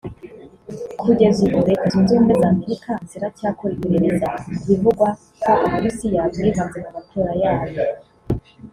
Kugeza ubu Leta Zunze Ubumwe za Amerika ziracyakora iperereza ku bivugwa ko u Burusiya bwivanze mu matora yabo